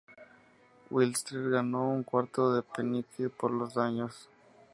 Whistler ganó un cuarto de penique por los daños.